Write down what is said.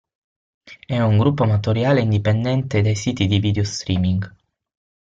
È un gruppo amatoriale indipendente dai siti di video streaming.